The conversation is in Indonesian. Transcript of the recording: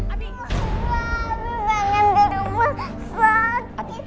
abi abu bangen di rumah sakit